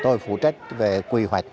tôi phụ trách về quy hoạch